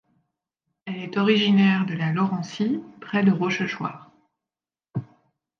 Elle est originaire de la Laurencie, près de Rochechouart.